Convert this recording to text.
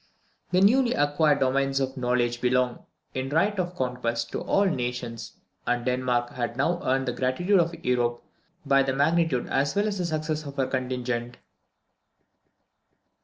The newly acquired domains of knowledge belong, in right of conquest, to all nations, and Denmark had now earned the gratitude of Europe by the magnitude as well as the success of her contingent.